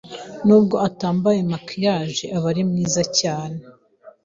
Nubwo atambaye maquillage, aba ari mwiza cyane.